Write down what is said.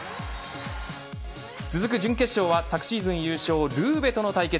続く準決勝は昨シーズン優勝のルーベとの対決。